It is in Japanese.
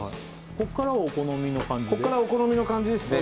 こっからお好みの感じですね